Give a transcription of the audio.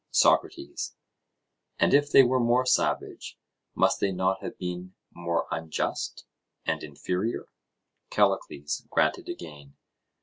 SOCRATES: And if they were more savage, must they not have been more unjust and inferior? CALLICLES: Granted again.